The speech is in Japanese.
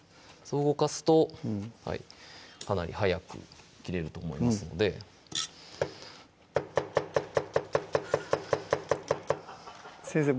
動かすとかなり早く切れると思いますので先生